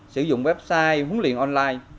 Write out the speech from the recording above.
sử dụng website huấn luyện online